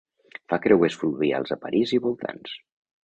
Fa creuers fluvials a París i voltants.